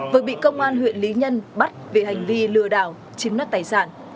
vừa bị công an huyện lý nhân bắt vì hành vi lừa đảo chiếm đoạt tài sản